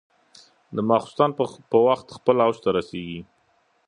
د ماخوستن په وخت خپل اوج ته رسېږي.